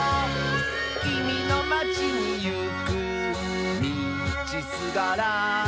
「きみのまちにいくみちすがら」